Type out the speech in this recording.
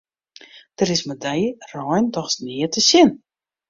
Der is mei dy rein dochs neat te sjen.